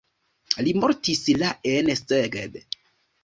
Li mortis la en Szeged.